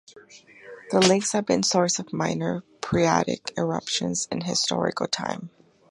The lakes have been a source of minor phreatic eruptions in historical time.